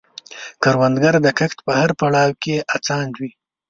کروندګر د کښت په هر پړاو کې هڅاند دی